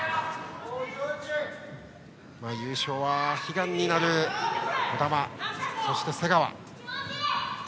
優勝は悲願になる児玉そして瀬川。